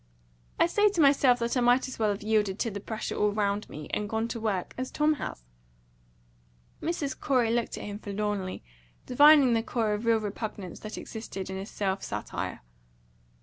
I say to myself that I might as well have yielded to the pressure all round me, and gone to work, as Tom has." Mrs. Corey looked at him forlornly, divining the core of real repugnance that existed in his self satire.